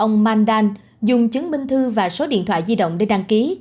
với các mũi còn lại ông dùng chứng minh thư và số điện thoại di động để đăng ký